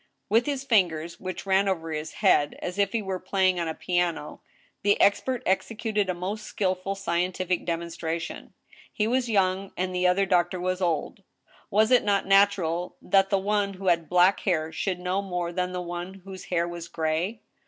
With his fingers, which ran over his head, as if he were playing on a piano, the expert executed a most skillful scientific demonstra tion. He was young, and the other doctor was old. Was it not natu ral that the one who had black hair should know more than the one whose hair was gray